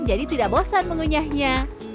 jadi tidak bosan mengunyahkannya